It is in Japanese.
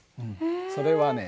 それはね